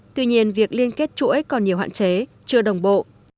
tuy nhiên việc liên kết chuỗi còn nhiều hạn chế chưa đồng bộ